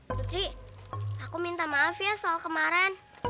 putri aku minta maaf ya soal kemarin